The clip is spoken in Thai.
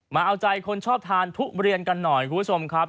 มาเอาใจคนชอบทานทุเรียนกันหน่อยคุณผู้ชมครับ